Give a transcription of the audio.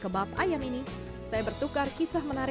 kita yang menikmati kota ini jadi lebar